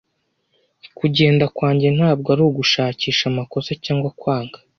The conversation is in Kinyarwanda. Kugenda kwanjye ntabwo ari ugushakisha amakosa cyangwa kwanga,